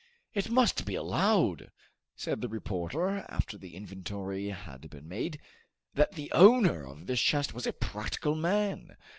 "It must be allowed," said the reporter, after the inventory had been made, "that the owner of this chest was a practical man!